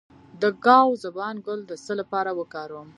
د ګاو زبان ګل د څه لپاره وکاروم؟